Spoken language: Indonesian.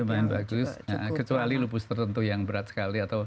lumayan bagus kecuali lupus tertentu yang berat sekali atau